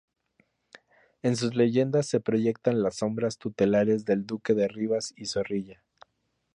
En sus leyendas se proyectan las sombras tutelares del Duque de Rivas y Zorrilla.